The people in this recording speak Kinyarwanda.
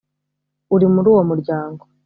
uri muri uwo muryango